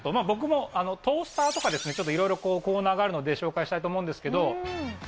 僕もトースターとかですね、ちょっといろいろコーナーがあるので、紹介したいと思うんですけど。